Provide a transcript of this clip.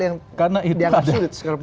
yang dianggap sulit